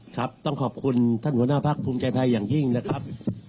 ครับต้องขอบคุณท่านหัวหน้าพักภูมิใจไทยอย่างยิ่งนะครับ